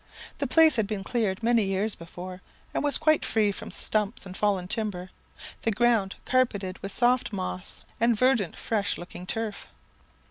The place had been cleared many years before, and was quite free from stumps and fallen timber, the ground carpeted with soft moss and verdant fresh looking turf.